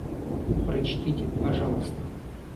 Прочтите, пожалуйста.